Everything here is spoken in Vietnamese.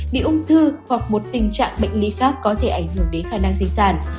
bị ung thư hoặc một tình trạng bệnh lý khác có thể ảnh hưởng đến khả năng di sản